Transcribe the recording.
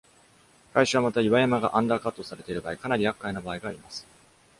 開始はまた、岩山がアンダーカットされている場合、かなり厄介な場合があります。